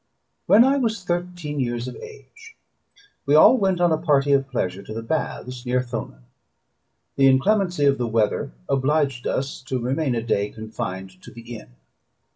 When I was thirteen years of age, we all went on a party of pleasure to the baths near Thonon: the inclemency of the weather obliged us to remain a day confined to the inn.